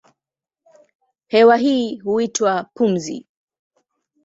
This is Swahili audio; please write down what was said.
Hewa hii huitwa pumzi.